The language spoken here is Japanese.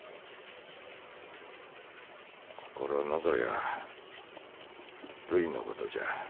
心残りゃあるいのことじゃ。